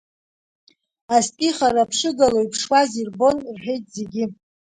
Астәи хараԥшыгала иԥшуаз ирбон, рҳәеит, зегьы.